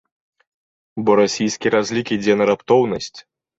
Бо расійскі разлік ідзе на раптоўнасць.